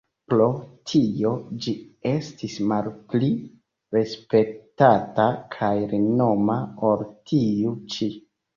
Pro tio ĝi estis malpli respektata kaj renoma ol tiu ĉi.